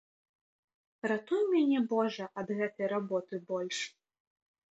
Ратуй мяне божа ад гэтай работы больш.